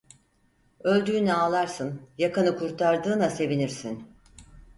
Öldüğüne ağlarsın, yakanı kurtardığına sevinirsin!